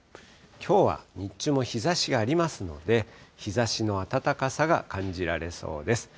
きょうは日中も日ざしがありますので、日ざしの暖かさが感じられそうです。